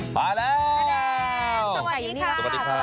มาแล้วสวัสดีค่ะสวัสดีครับ